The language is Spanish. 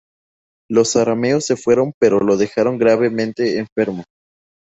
Los arameos se fueron pero lo dejaron gravemente enfermo.